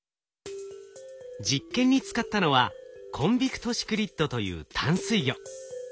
実験に使ったのはコンビクトシクリッドという淡水魚。